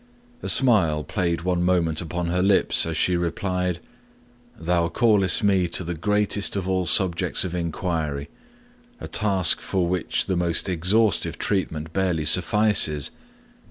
A smile played one moment upon her lips as she replied: 'Thou callest me to the greatest of all subjects of inquiry, a task for which the most exhaustive treatment barely suffices.